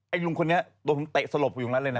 ไอ้ลุงคนนี้ตัวผมเตะสลบอยู่นั้นเลยนะ